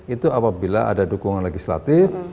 itu apabila ada dukungan legislatif